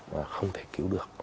và không thể cứu được